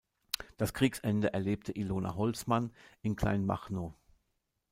Das Kriegsende erlebte Ilona Holzmann in Kleinmachnow.